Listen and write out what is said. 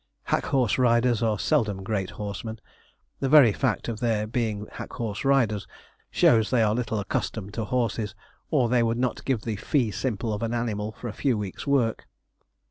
Hack horse riders are seldom great horsemen. The very fact of their being hack horse riders shows they are little accustomed to horses, or they would not give the fee simple of an animal for a few weeks' work.